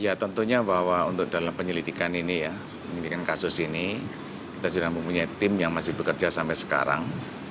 ya tentunya bahwa untuk dalam penyelidikan ini ya penyelidikan kasus ini kita sudah mempunyai tim yang masih bekerja sampai sekarang